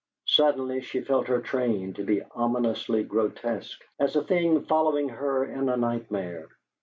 Suddenly she felt her train to be ominously grotesque, as a thing following her in a nightmare.